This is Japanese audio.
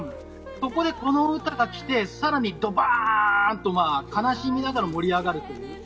そこでこの歌が来て、さらにドバっと悲しみながら盛り上がる。